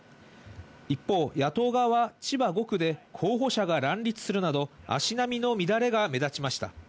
一方、野党側は千葉５区で候補者が乱立するなど、足並みの乱れが目立ちました。